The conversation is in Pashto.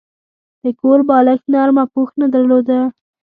د کور بالښت نرمه پوښ نه درلوده.